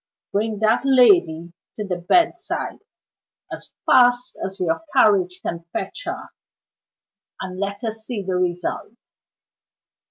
Bring that lady to the bedside as fast as your carriage can fetch her, and let us see the result.